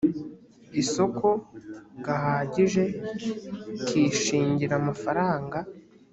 isoko gahagije kishingira amafaranga